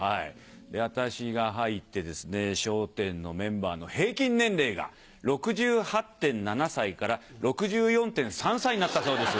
私が入ってですね『笑点』のメンバーの平均年齢が６８．７歳から６４．３歳になったそうです。